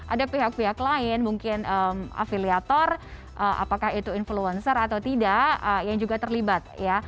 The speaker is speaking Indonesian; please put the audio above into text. ada pihak pihak lain mungkin afiliator apakah itu influencer atau tidak yang juga terlibat